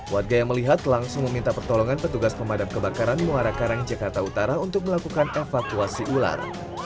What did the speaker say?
warga yang melihat langsung meminta pertolongan petugas pemadam kebakaran muara karang jakarta utara untuk melakukan evakuasi ular